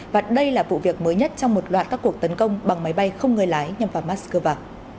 và đây là vụ việc mới nhất trong một loạt các cuộc tấn công bằng máy bay không người lái nhằm vào moscow